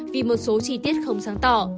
vì một số chi tiết không sáng tỏ